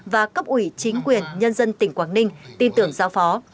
và cấp ủy chính quyền nhân dân tỉnh quảng ninh tin tưởng giao phó